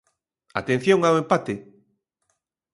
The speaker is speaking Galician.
Atención ao empate.